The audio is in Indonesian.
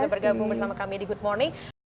sudah bergabung bersama kami di good morning